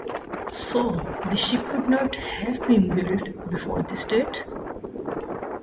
So the ship could not have been built before this date.